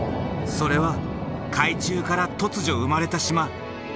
それは海中から突如生まれた島。